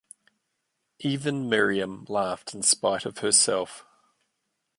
Even Miriam laughed in spite of herself.